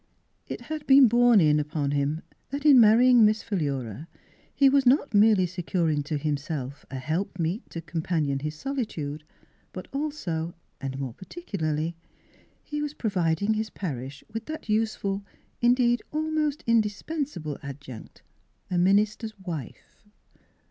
It had been borne in upon him that in marrying Miss Philura he was not merely securing to himself a help meet to com panion his solitude, but also — and more particularly — he was providing his par ish with that useful, indeed almost indis pensable adjunct, a minister's wife.